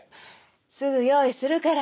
すぐ用意するから。